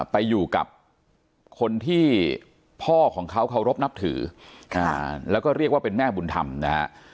ไปอยู่กับคนที่พ่อของเขาเคารพนับถือแล้วก็เรียกว่าเป็นแม่บุญธรรมนะฮะ